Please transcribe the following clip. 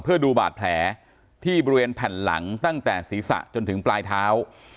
เพื่อดูบาดแผลที่บริเวณแผ่นหลังตั้งแต่ศีรษะจนถึงปลายเท้า